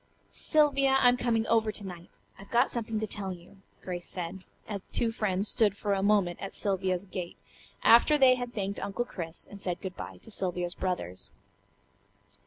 "Sylvia, I'm coming over to night. I've got something to tell you," Grace said, as the two friends stood for a moment at Sylvia's gate, after they had thanked Uncle Chris, and said good bye to Sylvia's brothers.